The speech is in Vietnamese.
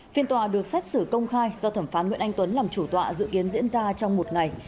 phiên tòa được xét xử công khai do thẩm phán nguyễn anh tuấn làm chủ tọa dự kiến diễn ra trong một ngày